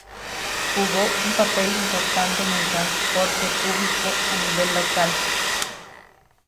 Jugó un papel importante en el transporte público a nivel local.